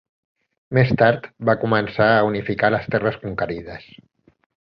Més tard va començar a unificar les terres conquerides.